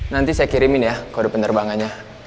nanti saya kirimin ya kode penerbangannya